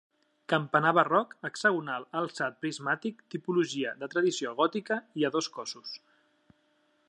Campanar barroc, hexagonal, alçat prismàtic, tipologia de tradició gòtica i a dos cossos.